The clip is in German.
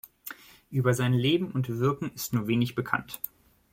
Über sein Leben und Wirken ist nur wenig bekannt.